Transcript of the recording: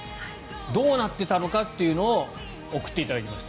どうなっていたのかというのを送っていただきました。